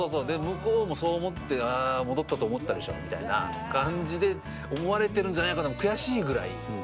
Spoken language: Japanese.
向こうもそう思って「戻ったと思ったでしょ？」みたいな感じで思われてるんじゃないかなと。